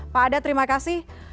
pak ada terima kasih